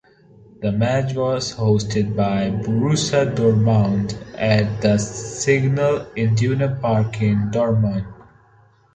The match was hosted by Borussia Dortmund at the Signal Iduna Park in Dortmund.